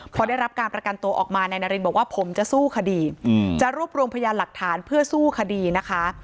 พอได้รับการประกันตัวออกมานายนารินบอกว่าผมจะสู้คดีจะรวบรวมพยานหลักฐานเพื่อสู้คดีนะคะ